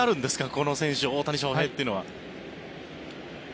この選手、大谷翔平というのは。